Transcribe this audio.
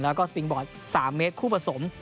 แล้วก็สปิงบอร์ด๓เมตรคู่ผสม